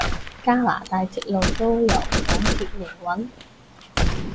加拿大鐵路都由港鐵營運？